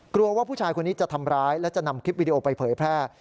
ว่าผู้ชายคนนี้จะทำร้ายและจะนำคลิปวิดีโอไปเผยแพร่